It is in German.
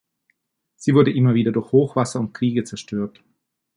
Sie wurde immer wieder durch Hochwasser und Kriege zerstört.